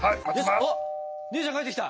あっ姉ちゃん帰ってきた。